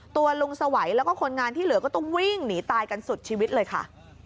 ตัวลุงสวัยแล้วก็คนงานที่เหลือก็ต้องวิ่งหนีตายกันสุดชีวิตเลยค่ะ